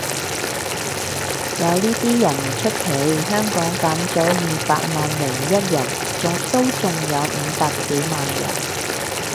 有呢啲人唔出奇，香港減咗二百萬零一人都仲有五百幾萬人